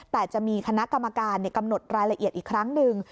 แต่จะมีคณะกรรมการกำหนดรายละเอียดอีกครั้งหนึ่ง